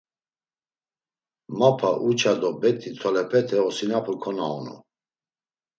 Mapa uça do bet̆i tolepete osinapu konaonu.